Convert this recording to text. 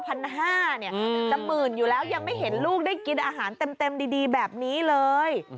หมื่นอยู่แล้วยังไม่เห็นลูกได้กินอาหารเต็มดีแบบนี้เลย